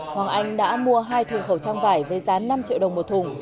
hoàng anh đã mua hai thùng khẩu trang vải với giá năm triệu đồng một thùng